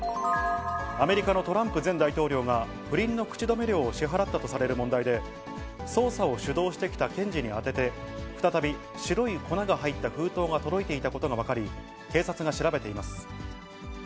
アメリカのトランプ前大統領が、不倫の口止め料を支払ったとされる問題で、捜査を主導してきた検事に宛てて、再び白い粉が入った封筒が届いていたことが分かり、警察が調べています。